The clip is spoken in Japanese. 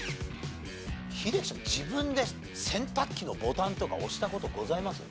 自分で洗濯機のボタンとか押した事ございます？